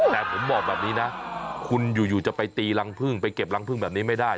แต่ผมบอกแบบนี้นะคุณอยู่จะไปตีรังพึ่งไปเก็บรังพึ่งแบบนี้ไม่ได้